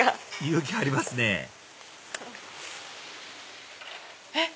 勇気ありますねえっ